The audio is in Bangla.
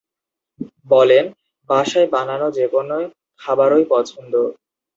বলেন, বাসায় বানানো যেকোনো খাবারই পছন্দ।